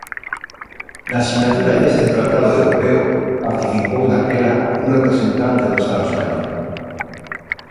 Na sinatura deste tratado europeo participou daquela un representante do Estado español.